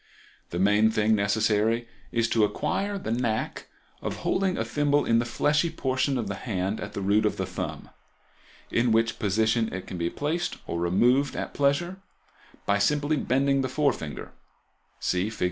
The main thing necessary is to acquire the knack of holding a thimble in the fleshy portion of the hand at the root of the thumb, in which position it can be placed, or removed at pleasure, by simply bending the forefinger (see Figs.